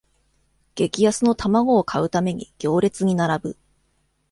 激安の玉子を買うために行列に並ぶ